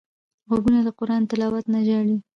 غوږونه له قران تلاوت نه ژاړي